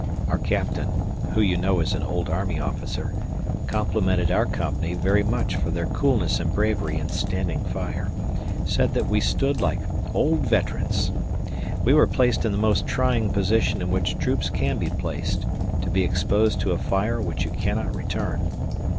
Our Captain (who you know is an old army officer) complimented our company very much for their coolness and bravery in standing fire, said that we stood like old veterans. We were placed in the most trying position in which troops can be placed, to be exposed to a fire which you cannot return.